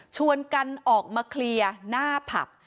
ชวนกันออกมาเคลียร์หน้าผับ